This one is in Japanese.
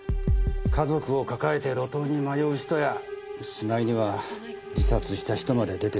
家族を抱えて路頭に迷う人やしまいには自殺した人まで出てしまいました。